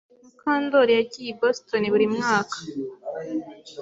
Mukandori yagiye i Boston buri mwaka.